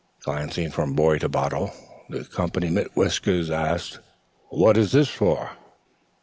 Glancing from boy to bottle, the "comp'ny mit whiskers" asked: "What's this for?"